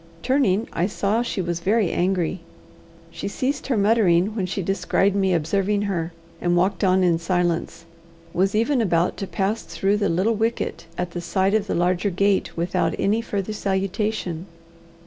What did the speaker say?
Turning, I saw she was very angry. She ceased her muttering when she descried me observing her, and walked on in silence was even about to pass through the little wicket at the side of the larger gate without any further salutation.